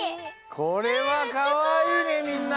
これはかわいいねみんな。